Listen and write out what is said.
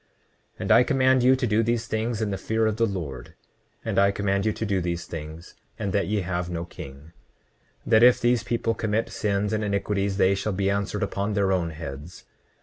29:30 And I command you to do these things in the fear of the Lord; and I command you to do these things, and that ye have no king; that if these people commit sins and iniquities they shall be answered upon their own heads.